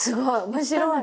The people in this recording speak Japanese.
面白い。